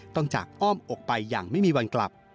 จากอ้อมอกไปอย่างไม่มีวันกลับ